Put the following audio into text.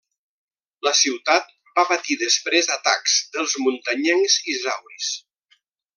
La ciutat va patir després atacs dels muntanyencs isauris.